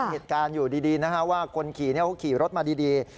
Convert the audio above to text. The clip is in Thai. เหตุการณ์อยู่ดีนะฮะว่าคนขี่เขาขี่รถมาดี